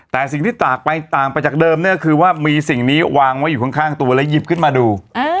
แต่สิ่งที่ตากไปต่างไปจากเดิมเนี่ยก็คือว่ามีสิ่งนี้วางไว้อยู่ข้างตัวแล้วหยิบขึ้นมาดู